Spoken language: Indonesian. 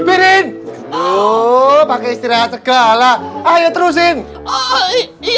ini jangan sampe kalah ini